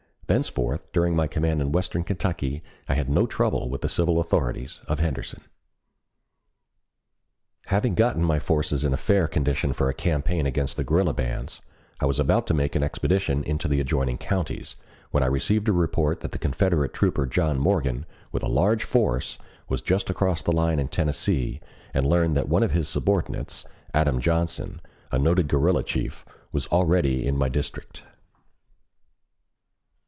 Thenceforth during my command in western Kentucky I had no trouble with the civil authorities of Henderson. Having gotten my forces in a fair condition for a campaign against the guerrilla bands, I was about to make an expedition into the adjoining counties, when I received a report that the Confederate trooper John Morgan, with a large force, was just across the line in Tennessee and learned that one of his subordinates, Adam Johnson, a noted guerrilla chief, was already in my district.